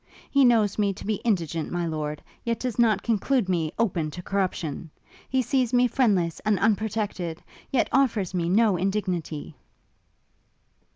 He knows me to be indigent, my lord, yet does not conclude me open to corruption! He sees me friendless and unprotected, yet offers me no indignity!'